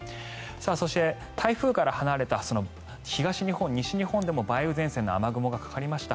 そして、台風から離れた東日本、西日本でも梅雨前線の雨雲がかかりました。